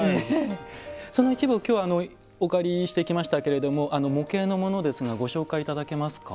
その一部をきょうはお借りしてきましたけれども模型のものですがご紹介いただけますか？